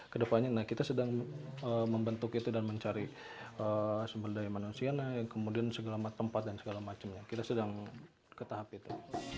kedepannya nah kita sedang membentuk itu dan mencari sumber daya manusia kemudian segala tempat dan segala macamnya kita sedang ke tahap itu